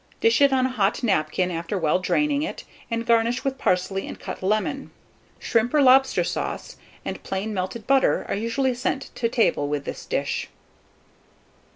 Dish it on a hot napkin after well draining it, and garnish with parsley and cut lemon. Shrimp, or lobster sauce, and plain melted butter, are usually sent to table with this dish.